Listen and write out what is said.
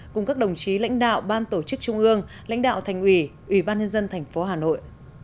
cùng các đồng chí lãnh đạo ban tổ chức trung ương lãnh đạo thành ủy ủy ban nhân dân tp hà nội